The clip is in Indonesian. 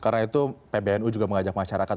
karena itu pbnu juga mengajak masyarakat